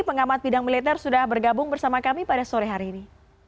pengamat bidang militer sudah bergabung bersama kami pada sore hari ini